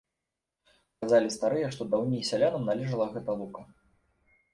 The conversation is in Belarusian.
Казалі старыя, што даўней сялянам належала гэта лука.